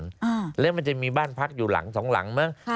อ่าแล้วมันจะมีบ้านพักอยู่หลังสองหลังมั้งค่ะ